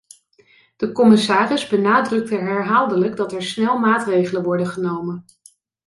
De commissaris benadrukte herhaaldelijk dat er snel maatregelen worden genomen.